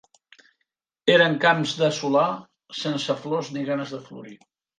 Eren camps de solar, sense flors ni ganes de florir